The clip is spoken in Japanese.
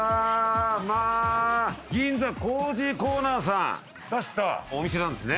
まあ銀座コージーコーナーさん出したお店なんですね。